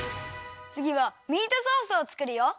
つぎはミートソースをつくるよ。